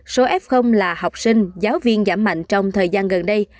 số f là học sinh giáo viên giảm mạnh trong thời gian gần đây